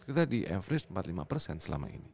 kita di average empat lima selama ini